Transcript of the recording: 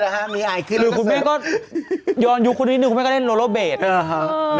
หรือคุณแม่ก็ย้อนยุคครัวนิดหนึ่ง